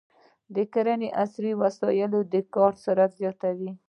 د کرنې عصري وسایل د کار سرعت زیاتوي.